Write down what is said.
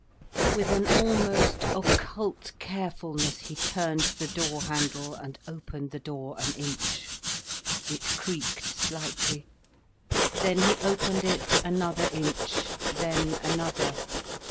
With an almost occult carefulness he turned the door handle, and opened the door an inch. It creaked slightly. Then he opened it another inch—then another.